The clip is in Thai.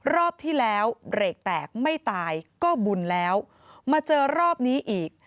รอบที่แล้วเบรกแตกไม่ตายก็บุญแล้วมาเจอรอบนี้อีก